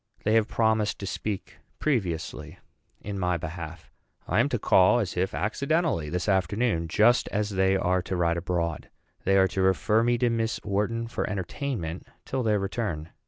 They have promised to speak previously in my behalf. I am to call, as if accidentally, this afternoon just as they are to ride abroad. They are to refer me to Miss Wharton for entertainment till their return.